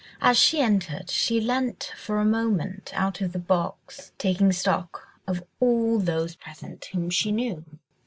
As she entered, she leant for a moment out of the box, taking stock of all those present whom she knew.